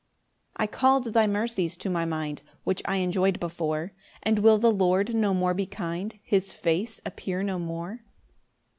6 I call'd thy mercies to my mind Which I enjoy'd before; And will the Lord no more be kind? His face appear no more?